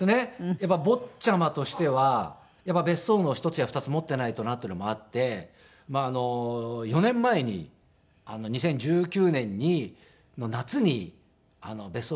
やっぱり坊ちゃまとしては別荘の１つや２つ持っていないとなというのもあって４年前に２０１９年にの夏に別荘が建ちまして。